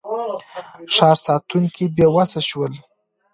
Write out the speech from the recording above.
ښار ساتونکي بېوسه شول.